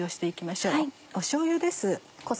しょうゆです。